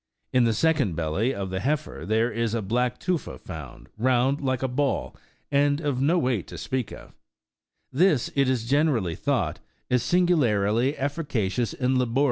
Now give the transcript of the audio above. In the second belly of the heiter there is a black tufa found, round like a ball,94 and of no weight to speak of: this, it is generally thought, is singu 69 The coot, probably.